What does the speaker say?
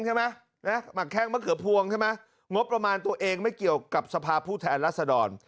ใช่ไหมนะหมักแข้งมะเขือพวงใช่ไหมงบประมาณตัวเองไม่เกี่ยวกับสภาพผู้แทนรัศดร